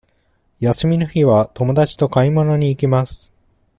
休みの日は友達と買い物に行きます。